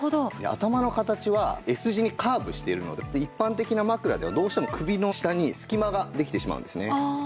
頭の形はＳ字にカーブしているので一般的な枕ではどうしても首の下に隙間ができてしまうんですね。